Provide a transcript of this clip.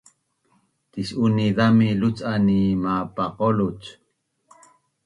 tis’uni zami luc’an ni mapaqoluc